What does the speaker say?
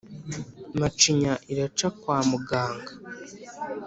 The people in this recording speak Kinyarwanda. Macinya irabica kwa muganga